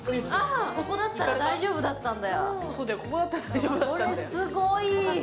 ここだったら大丈夫だったんだよ。